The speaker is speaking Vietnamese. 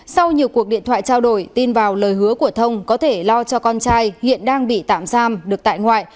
sau nhiều cuộc điện thoại trao đổi tin vào lời hứa của thông có thể lo cho con trai hiện đang bị tạm giam được tại ngoại